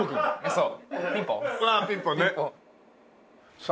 そう。